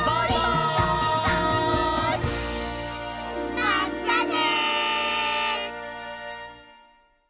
まったね！